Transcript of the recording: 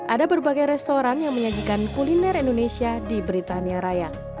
ada berbagai restoran yang menyajikan kuliner indonesia di britania raya